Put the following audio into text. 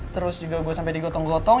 terus juga gue sampai digotong gotong